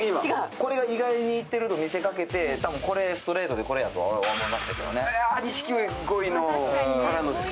これが意外にいってると見せかけてこれ、ストレートでこれだと思いますけどね。